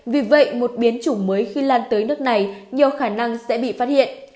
vì vậy một biến chủng mới khi lan tới nước này nhiều khả năng sẽ bị phát hiện